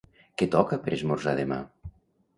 Què toca per esmorzar demà?